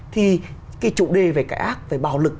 thì cái chủ đề về cái ác về bạo lực